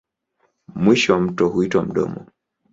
Mwisho wa mto huitwa mdomo.